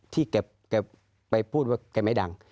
ที่แกไปพูดว่าแกไม่ดัง